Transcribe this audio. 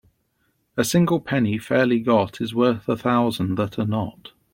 A single penny fairly got is worth a thousand that are not.